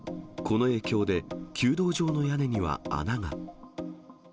この影響で、弓道場の屋根には穴が。